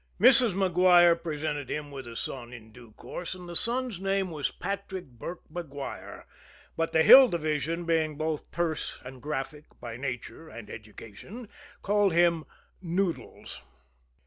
Mrs. Maguire presented him with a son in due course, and the son's name was Patrick Burke Maguire but the Hill Division, being both terse and graphic by nature and education, called him "Noodles."